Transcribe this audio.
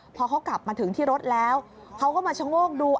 พอเขากลับมาถึงที่รถแล้วเขาก็มาชะโงกดู